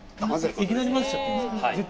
いきなり混ぜちゃっていいんですか？